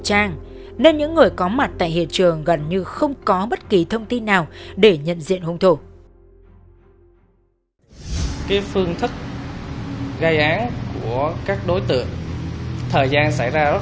trong khi nhiều người khách trong quán internet đã kịp hiểu điều gì xảy ra